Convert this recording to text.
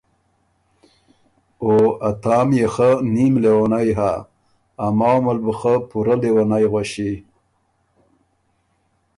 او ا تا ميې خه نیم لېوَنئ هۀ، اماوه مل بُو خه پُورۀ لېوَنئ غؤݭی۔